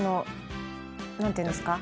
「何ていうんですか？」